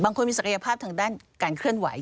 คนมีศักยภาพทางด้านการเคลื่อนไหว